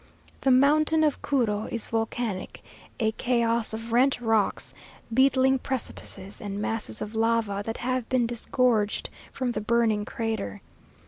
The mountain of Curu is volcanic, a chaos of rent rocks, beetling precipices, and masses of lava that have been disgorged from the burning crater.